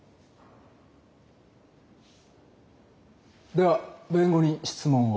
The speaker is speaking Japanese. では弁護人質問を。